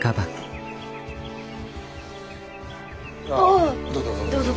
ああっどうぞどうぞ。